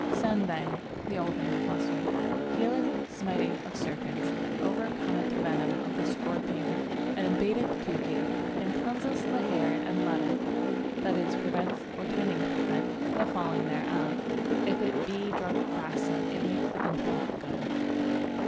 "Senvey" (the old name of mustard) "healeth smiting of Serpents and overcometh venom of the Scorpions and abateth Toothache and cleanseth the Hair and letteth" (that is, prevents or tends to prevent) "the falling thereof. If it be drunk fasting, it makes the Intellect good."